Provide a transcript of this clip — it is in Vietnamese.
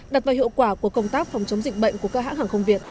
đặt vào hiệu quả của công tác phòng chống dịch bệnh của các hãng hàng không việt